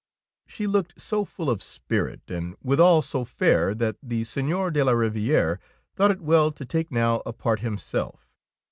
She looked so full of spirit, and withal so fair, that the Seigneur de la Rivifere thought it well to take now a part himself.